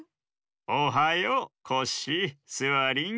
おはようコッシースワリン。